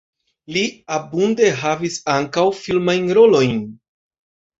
Li abunde havis ankaŭ filmajn rolojn.